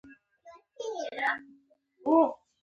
د ملي یووالي ټینګښت لپاره څه شی ته ډېره اړتیا ده.